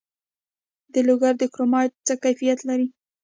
د لوګر کرومایټ څه کیفیت لري؟